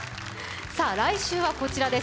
来週はこちらです。